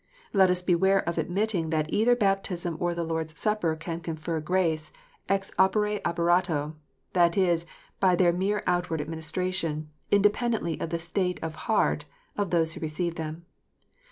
Let us beware of admitting that either baptism or the Lord s Supper can confer grace "ex opere operato" that is, by their mere outward administration, inde pendently of the state of heart of those who receive them.